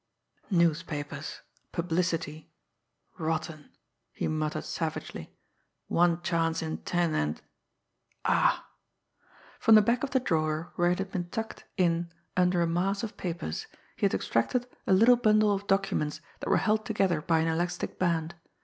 "Newspapers publicity rotten!" he muttered savagely. "One chance in ten, and ah!" From the back of the drawer where it had been tucked in under a mass of papers, he had extracted a little bundle of documents that were held together by an elastic band.